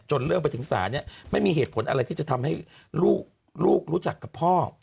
เรื่องไปถึงศาลเนี่ยไม่มีเหตุผลอะไรที่จะทำให้ลูกรู้จักกับพ่อ